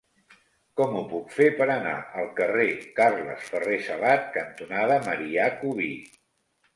Com ho puc fer per anar al carrer Carles Ferrer Salat cantonada Marià Cubí?